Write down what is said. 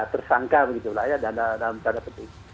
tersangka begitu lah ya dalam tanda petik